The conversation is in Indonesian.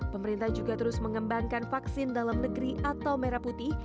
pemerintah juga terus mengembangkan vaksin dalam negeri atau merah putih